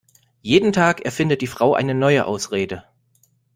Jeden Tag erfindet die Frau eine neue Ausrede.